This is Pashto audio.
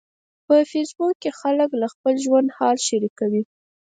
په فېسبوک کې خلک له خپل ژوند حال شریکوي.